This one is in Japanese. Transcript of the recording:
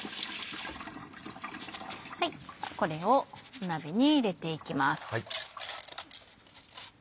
これを鍋に入れていきます。